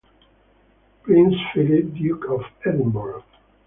Prince Philip, Duke of Edinburgh.